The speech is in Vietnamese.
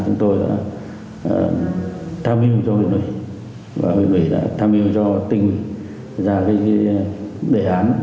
chúng tôi đã tham hiệu cho bệnh viện và bệnh viện đã tham hiệu cho tinh dạng cái đề án một nghìn tám mươi một